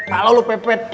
kalau lo pepet